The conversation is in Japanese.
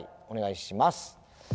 お願いします。